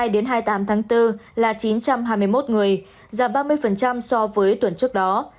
đến hai mươi tám tháng bốn là chín trăm hai mươi một người giảm ba mươi so với tuần trước đó